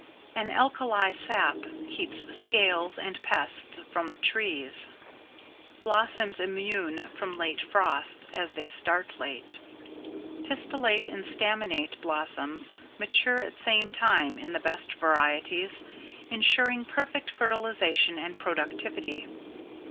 An alkali sap keeps scales and pests from the trees. Blossoms immune from late frosts, as they start late. Pistillate and Staminate blossoms mature at same time in the best varieties, insuring perfect fertilization and productivity.